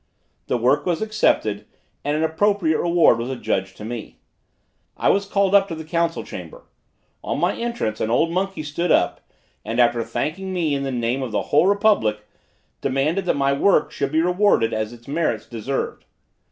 The work was accepted, and an appropriate reward was adjudged to me. I was called up to the council chamber on my entrance, an old monkey stood up, and, after thanking me in the name of the whole republic, proclaimed that my work should be rewarded as its merits deserved.